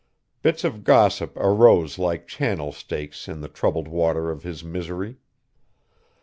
Bits of gossip arose like channel stakes in the troubled water of his misery.